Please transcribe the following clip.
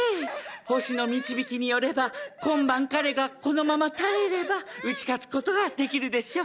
星の導きによれば今晩彼がこのまま耐えれば打ち勝つことができるでしょう。